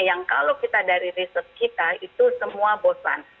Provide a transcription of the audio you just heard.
yang kalau kita dari riset kita itu semua bosan